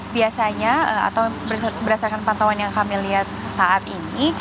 biasanya atau berdasarkan pantauan yang kami lihat saat ini